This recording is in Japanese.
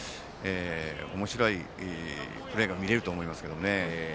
おもしろいプレーが見れると思いますね。